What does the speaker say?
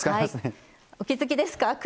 お気付きですか？